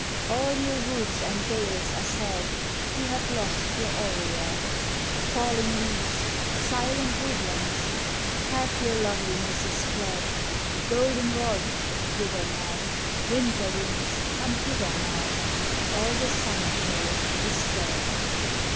All your woods and dales are sad, You have lost your Oread. Falling leaves! Silent woodlands! Half your loveliness is fled. Golden rod, wither now! Winter winds, come hither now! All the summer joy is dead.